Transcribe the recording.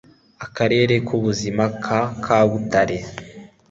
karere k'ubuzima ka kabutare